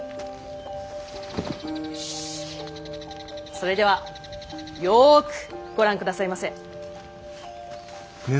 それではよくご覧下さいませ。